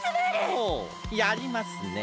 ほうやりますね。